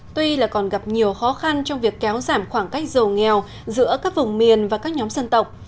tuy là còn gặp nhiều khó khăn trong việc kéo giảm khoảng cách giàu nghèo giữa các vùng miền và các nhóm dân tộc